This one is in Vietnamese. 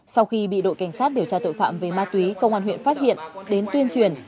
sau khi bị đội cảnh sát điều tra tội phạm về ma túy công an huyện phát hiện đến tuyên truyền